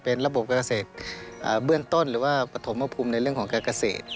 เป็นระบบการเกษตรเบื้องต้นหรือว่าปฐมภูมิในเรื่องของการเกษตร